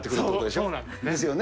そうなんです。